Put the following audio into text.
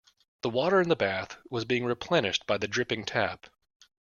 The water in the bath was being replenished by the dripping tap.